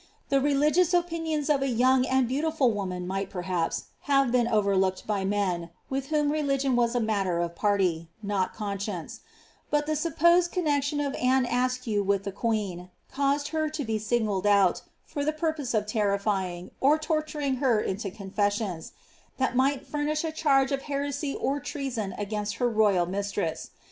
The religious opinions of a young and beautiful woman might, perliaps, have been overlooked by men, with whom religion was a matter of party, not conscience ; but &e supposed connexion of Anne Askew with tlie queen, caused her to be singled out, for the purpose of terrifying, or torturing her into confessions, that mich furnish a charge of heresy or treason against her royal mistress.